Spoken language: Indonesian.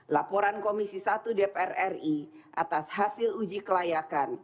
laporan komisi satu dpr ri atas hasil uji kelayakan